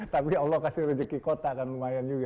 tapi allah kasih rejeki kota kan lumayan juga